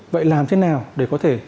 vậy làm thế nào để có thể